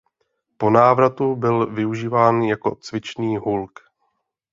Po návratu byl využíván jako cvičný hulk.